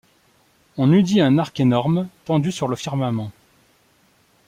On eût dit un arc énorme tendu sur le firmament.